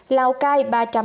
lào cai ba trăm tám mươi chín